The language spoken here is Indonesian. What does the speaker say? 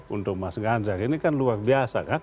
untuk mas ganjar ini kan luar biasa kan